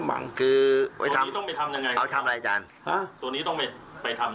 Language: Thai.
อันนี้ต้องไปทำอย่างไร